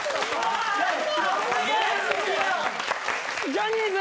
ジャニーズ！